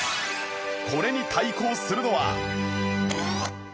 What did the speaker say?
これに対抗するのは